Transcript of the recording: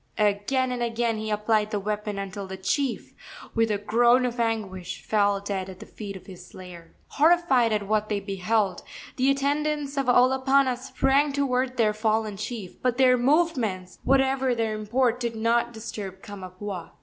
Again and again he applied the weapon until the chief, with a groan of anguish, fell dead at the feet of his slayer. Horrified at what they beheld, the attendants of Olopana sprang toward their fallen chief. But their movements, whatever their import, did not disturb Kamapuaa.